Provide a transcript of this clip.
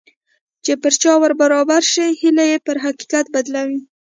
چې په چا ور برابر شي هيلې يې پر حقيقت بدلوي.